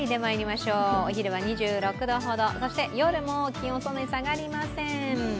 お昼は２６度ほど、夜も気温そんなに下がりません。